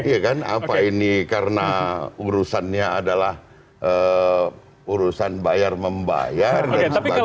iya kan apa ini karena urusannya adalah urusan bayar membayar dan sebagainya